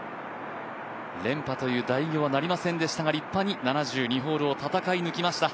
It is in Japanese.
連覇という大偉業はなりませんでしたが、立派に７２ホールを戦い抜きました。